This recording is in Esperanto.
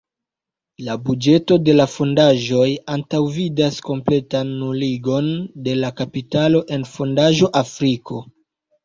La buĝeto de la fondaĵoj antaŭvidas kompletan nuligon de la kapitalo en fondaĵo Afriko.